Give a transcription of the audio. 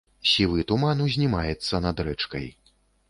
Сівы туман узнімаецца над рэчкай.